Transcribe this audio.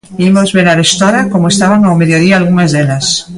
Imos ver arestora como estaban ao mediodía algunhas delas.